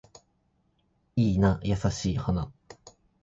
いいな優しい花